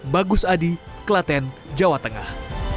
bagus adi klaten jawa tengah